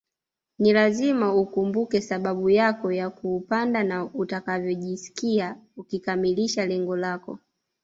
Ni lazima ukumbuke sababu yako ya kuupanda na utakavyojisikia ukikamilisha lengo lako